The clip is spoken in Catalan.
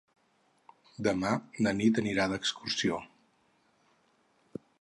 Demà na Nit anirà d'excursió.